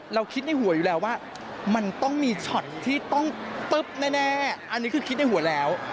เราคิดในหัวอยู่แล้วว่ามันต้องมีช็อตที่ต้องตึ๊บแน่อันนี้คือคิดในหัวแล้ว